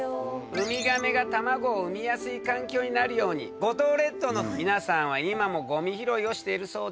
うみがめが卵を産みやすい環境になるように五島列島の皆さんは今もごみ拾いをしているそうです。